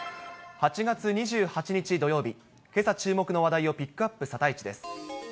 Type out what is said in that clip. ８月２８日土曜日、けさ注目の話題をピックアップ、サタイチです。